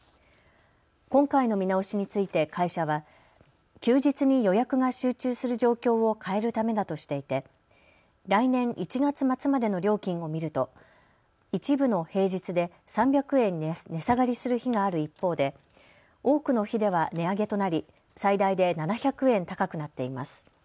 今回の見直しについて会社は休日に予約が集中する状況を変えるためだとしていて来年１月末までの料金を見ると一部の平日で３００円値下がりする日がある一方で多くの日では値上げとなり最大で７００円高くなっています。